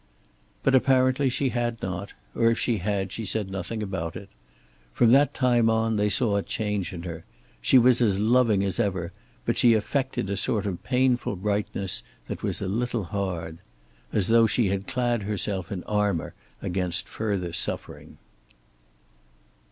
But apparently she had not, or if she had she said nothing about it. From that time on they saw a change in her; she was as loving as ever, but she affected a sort of painful brightness that was a little hard. As though she had clad herself in armor against further suffering.